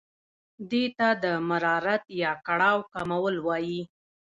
دې ته د مرارت یا کړاو کمول وايي.